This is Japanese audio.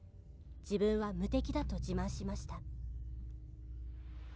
「自分は無敵だと自慢しました」